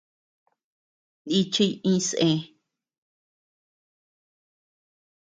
Nichiy iñsé.